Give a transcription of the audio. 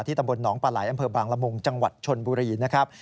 ที่ตำบลน้องปาหลายอำเภอบางระมงจังหวัดชนบุรีนะครับ